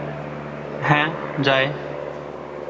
হ্যাঁ, যায়।